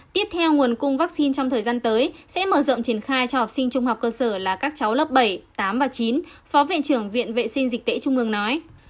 tiếp theo nguồn cung vaccine trong thời gian tới sẽ mở rộng triển khai cho học sinh trung học cơ sở là các cháu lớp bảy tám và chín phó viện trưởng viện vệ sinh dịch tễ trung ương nói